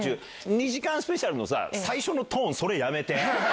２時間スペシャルのさ、最初のトーン、それ、やめて。